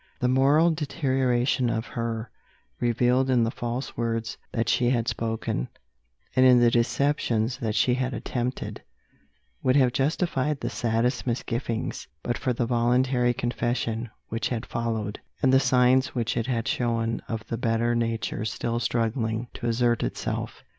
The moral deterioration of her, revealed in the false words that she had spoken, and in the deceptions that she had attempted, would have justified the saddest misgivings, but for the voluntary confession which had followed, and the signs which it had shown of the better nature still struggling to assert itself.